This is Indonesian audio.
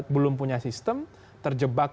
belum punya sistem terjebak